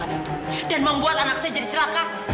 saya tidak akan pernah mencari amira